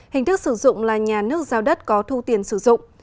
hình thức sử dụng là nhà nước giao đất có thu tiền sử dụng